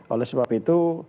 oleh sebab itu